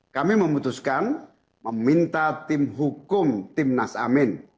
kami memutuskan meminta tim hukum timnas amin